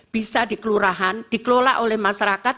bisa dikelurahan dikelola oleh masyarakat